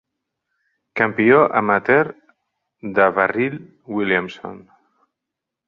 Campió amateur DaVarryl Williamson.